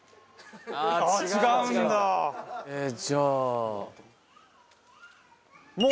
じゃあ。